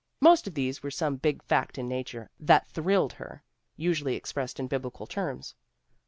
Most of these were some big fact in nature that thrilled her, usually expressed in Biblical terms."